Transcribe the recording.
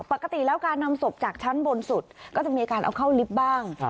ปกติแล้วการนำศพจากชั้นบนสุดก็จะมีการเอาเข้าลิฟต์บ้าง